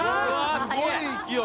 すごい勢い。